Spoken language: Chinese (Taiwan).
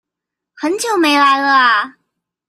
很久沒來了啊！